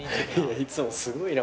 いつもすごいな。